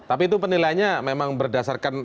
tapi itu penilaiannya memang berdasarkan